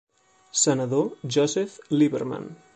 Senador Joseph Lieberman.